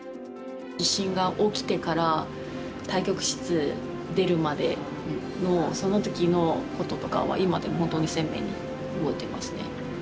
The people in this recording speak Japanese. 地震が起きてから対局室出るまでのその時のこととかは今でも本当に鮮明に覚えてますね。